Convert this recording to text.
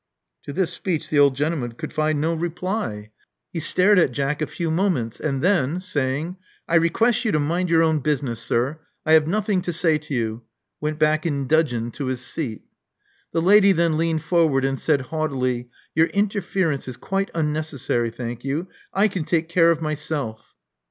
'' To this speech the old gentleman could find no reply. Love Among the Artists 63 He stared at Jack a few moments, and then, saying, I request you to mind your own business, sir. I have nothing to say to you," went back in dudgeon to his seat. The lady then leaned forward and said haughtily, Your interference is quite unnecessary, thank you. I can take care of myself."